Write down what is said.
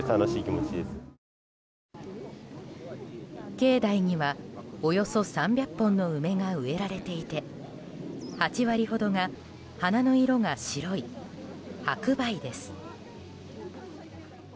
境内には、およそ３００本の梅が植えられていて８割ほどが花の色が白い白梅です。